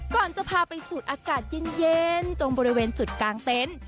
ก่อนจะพาไปสูดอากาศเย็นตรงบริเวณจุดกลางเต็นต์